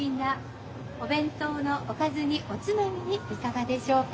お弁当のおかずにおつまみにいかがでしょうか。